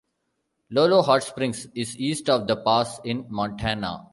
Lolo Hot Springs is east of the pass in Montana.